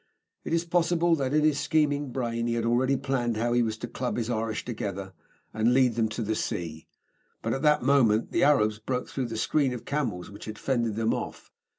It is possible that, in his scheming brain, he had already planned how he was to club his Irish together and lead them to the sea. But at that moment the Arabs broke through the screen of camels which had fended them off.